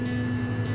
sudah kamu cek lagi